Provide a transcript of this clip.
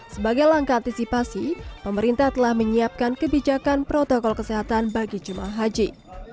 sebagai langkah antisipasi pemerintah telah menyiapkan kebijakan protokol kesehatan bagi jemaah haji